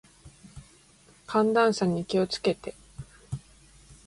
寒暖差に気を付けて。